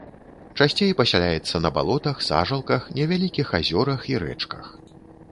Часцей пасяляецца на балотах, сажалках, невялікіх азёрах і рэчках.